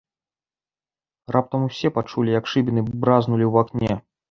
Раптам усе пачулі, як шыбіны бразнулі ў акне.